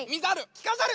きかざる。